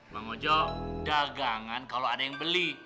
bang ojo dagangan kalau ada yang beli